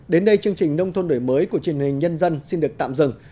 đến đây chương trình nông thôn đổi mới của truyền hình nhân dân xin được tạm dừng